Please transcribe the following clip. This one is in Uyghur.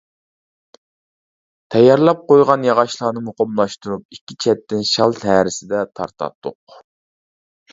تەييارلاپ قويغان ياغاچلارنى مۇقىملاشتۇرۇپ ئىككى چەتتىن شال ھەرىسىدە تارتاتتۇق.